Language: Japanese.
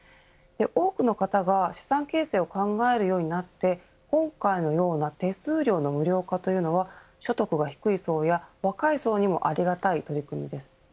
多くの方が資産形成を考えるようになって今回のような手数料の無料化というのは所得が低い層や若い層にもありがたい取り組みです。